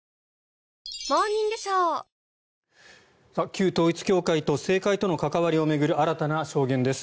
旧統一教会と政界との関わりを巡る新たな証言です。